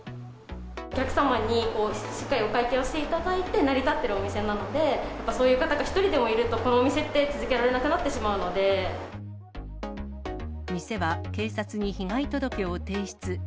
お客様にしっかりお会計をしていただいて、成り立っているお店なので、そういう方が一人でもいると、このお店って続けられなくなって店は、警察に被害届を提出。